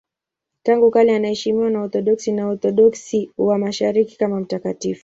Tangu kale anaheshimiwa na Waorthodoksi na Waorthodoksi wa Mashariki kama mtakatifu.